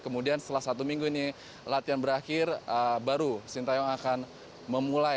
kemudian setelah satu minggu ini latihan berakhir baru shin taeyong akan memulai